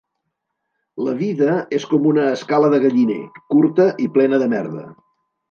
La vida és com una escala de galliner, curta i plena de merda.